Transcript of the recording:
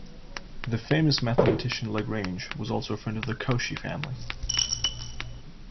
The famous mathematician Lagrange was also a friend of the Cauchy family.